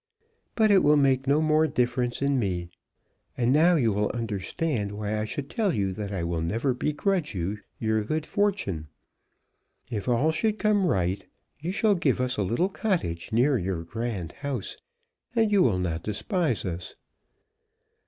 But it will make no more difference in me. And now you will understand why I should tell you that I will never begrudge you your good fortune. If all should come right, you shall give us a little cottage near your grand house, and you will not despise us."